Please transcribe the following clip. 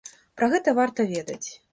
Пра гэта варта ведаць.